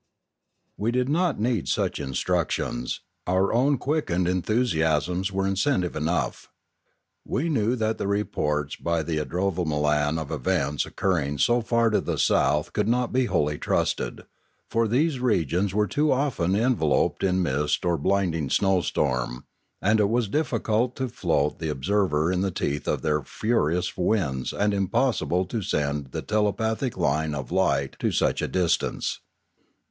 We did not need such instructions; our own quick ened enthusiasms were incentive enough. We knew . that the reports by the idrovamolan of events occurring so far to the south could not be wholly trusted; for these regions were too often enveloped in mist or blind ing snowstorm, and it was difficult to float the observer in the teeth of their furious winds and impossible to send the telepathic line of light to such a distance.